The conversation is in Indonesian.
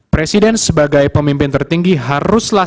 presiden sebagai pemimpin tertinggi haruslah